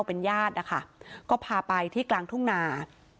เป็นญาตินะคะก็พาไปที่กลางทุ่งนา